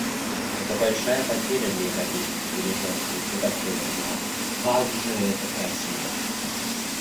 Это большая потеря для европейской цивилизации и всё такое, но как же это красиво